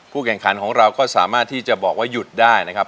แข่งขันของเราก็สามารถที่จะบอกว่าหยุดได้นะครับ